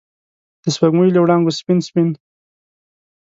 د سپوږمۍ له وړانګو سپین، سپین